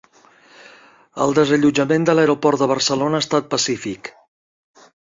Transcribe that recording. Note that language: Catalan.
El desallotjament de l'aeroport de Barcelona ha estat pacífic